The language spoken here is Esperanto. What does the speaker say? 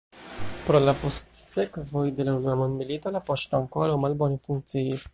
Pro la postsekvoj de la Unua Mondmilito, la poŝto ankoraŭ malbone funkciis.